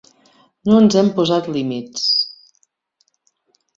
No ens hem posat límits.